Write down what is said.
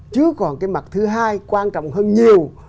chứ còn cái mặt thứ hai quan trọng hơn nhiều